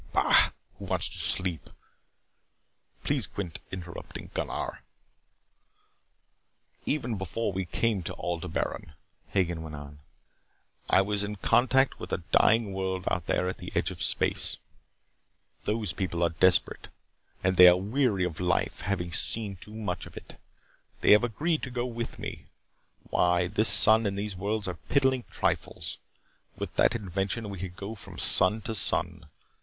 "Bah. Who wants to sleep? Please quit interrupting, Gunnar." "Even before we came to Aldebaran," Hagen went on, "I was in contact with a dying world out there at the edge of space. Those people are desperate. And they are weary of life, having seen too much of it. They have agreed to go with me. Why, this sun and these worlds are piddling trifles. With that invention we could go from sun to sun.